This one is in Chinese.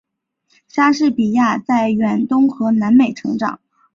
莎士比亚在远东和南美成长。